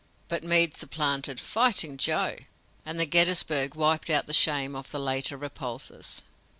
But Meade supplanted "Fighting Joe," and Gettysburg wiped out the shame of the later repulses.